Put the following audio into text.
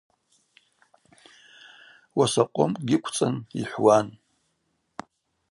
Уаса къомкӏгьи ыквцӏын йхӏвуан.